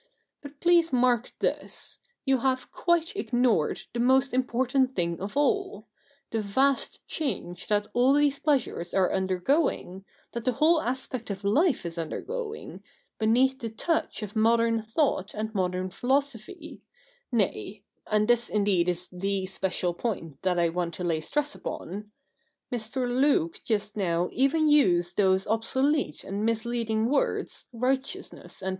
But please mark this, you have quite ignored the most important thing of all — the vast change that all ^hese pleasures are under going, that the whole aspect of life is undergoing, beneath the touch of modern thought and modern philosophy ; nay — and this indeed is the special point I want to lay stress upon — Mr. T^uke just now even used those obsolete and misleading words, righteousness and CH.